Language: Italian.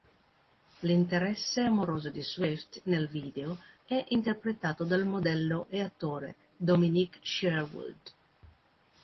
L'interesse amoroso di Swift nel video è interpretato dal modello e attore Dominic Sherwood.